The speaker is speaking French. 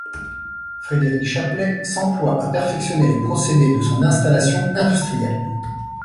Frédéric Chaplet s'emploie à perfectionner les procédés de son installation industrielle.